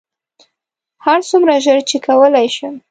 هرڅومره ژر چې کولی شم.